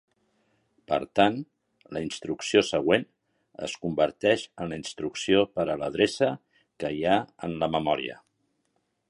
Per tant, la instrucció següent es converteix en la instrucció per a l'adreça que hi ha en la memòria.